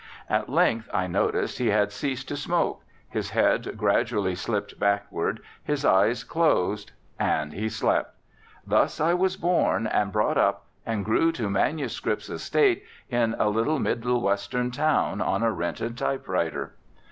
At length I noticed he had ceased to smoke, his head gradually slipped backward, his eyes closed, and he slept. Thus I was born and brought up and grew to manuscript's estate in a little Middle Western town, on a rented typewriter.